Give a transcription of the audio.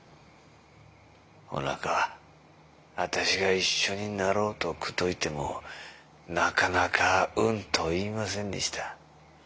おなかは私が一緒になろうと口説いてもなかなかうんと言いませんでした。